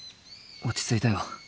落ち着いたよ。